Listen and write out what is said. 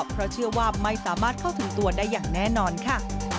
เพราะเชื่อว่าไม่สามารถเข้าถึงตัวได้อย่างแน่นอนค่ะ